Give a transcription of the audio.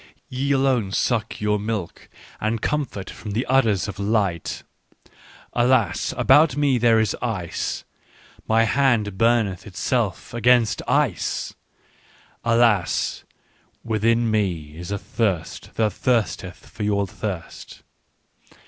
Ye alone suck your milk and com fort from the udders of light. " Alas, about me there is ice, my hand burneth itself against ice !" Alas, within me is a thirst that thirsteth for your thirst